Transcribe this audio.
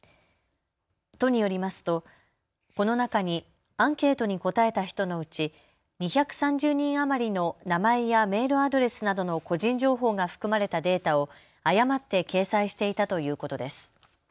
都によりますと、この中にアンケートに答えた人のうち２３０人余りの名前やメールアドレスなどの個人情報が含まれたデータを誤って掲載していたということです。